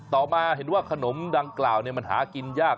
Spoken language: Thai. ต่อมาเห็นว่าขนมดังกล่าวมันหากินยาก